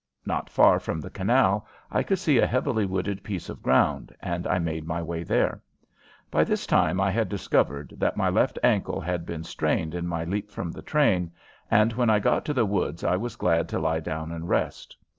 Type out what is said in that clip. Not far from the canal I could see a heavily wooded piece of ground, and I made my way there. By this time I had discovered that my left ankle had been strained in my leap from the train, and when I got to the woods I was glad to lie down and rest.